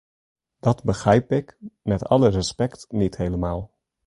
Dat begrijp ik – met alle respect –niet helemaal.